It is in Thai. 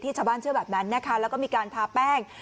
ชาวบ้านเชื่อแบบนั้นนะคะแล้วก็มีการทาแป้ง